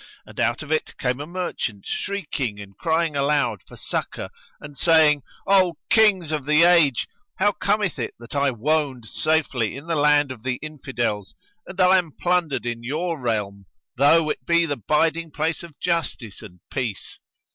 And out of it came a merchant shrieking and crying aloud for succour and saying, "O Kings of the Age! how cometh it that I woned safely in the land of the Infidels and I am plundered in your realm, though it be the biding place of justice[FN#113] and peace?"